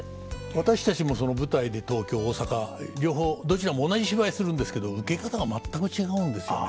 私たちも舞台で東京大阪両方どちらも同じ芝居するんですけど受け方が全く違うんですよね。